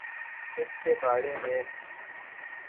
اس کے بارے میں